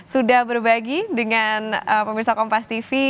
sudah berbagi dengan pemirsa kompastv